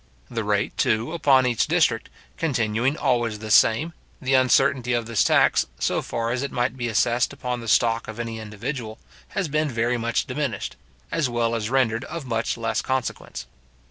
The rate, too, upon each district, continuing always the same, the uncertainty of this tax, so far as it might he assessed upon the stock of any individual, has been very much diminished, as well as rendered of much less consequence.